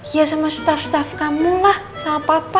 ya sama staff staff kamu lah sama papa